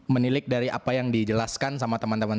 menilik dari apa yang dijelaskan sama teman teman